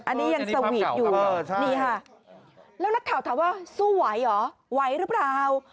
อันนี้ยังสวีทอยู่นี่ค่ะแล้วนักข่าวถามว่าสู้ไหวเหรอไหวหรือเปล่า